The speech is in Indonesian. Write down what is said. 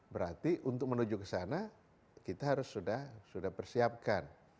berarti untuk menuju ke sana kita harus sudah persiapkan